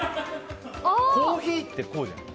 コーヒーってこうじゃん。